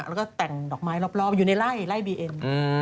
แล้วก็แต่งดอกไม้รอบอยู่ในไล่ไล่บีเอ็น